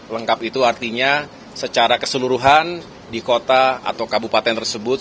lengkap itu artinya secara keseluruhan di kota atau kabupaten tersebut